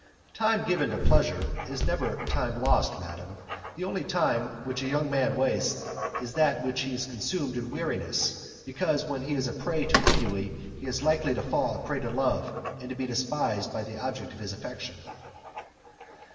"Time given to pleasure is never time lost, madam; the only time which a young man wastes is that which is consumed in weariness, because when he is a prey to ennui he is likely to fall a prey to love, and to be despised by the object of his affection."